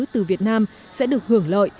từ việt nam sẽ được hưởng lợi